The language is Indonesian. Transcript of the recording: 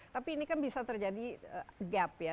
tapi ini kan bisa terjadi gap ya